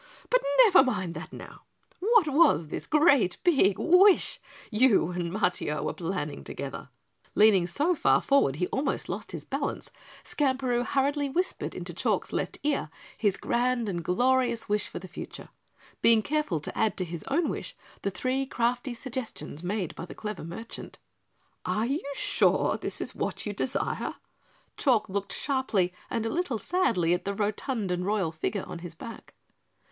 But never mind that now, what was this great big wish you and Matiah were planning together?" Leaning so far forward he almost lost his balance, Skamperoo hurriedly whispered into Chalk's left ear his grand and glorious wish for the future, being careful to add to his own wish the three crafty suggestions made by the clever merchant. "You are sure this is what you desire?" Chalk looked sharply and a little sadly at the rotund and royal figure on his back.